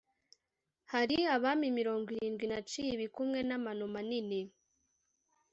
hari abami mirongo irindwi naciye ibikumwe n’amano manini